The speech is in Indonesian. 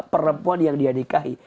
perempuan yang dia nikahi